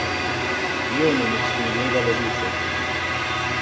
Io non extingueva le luce.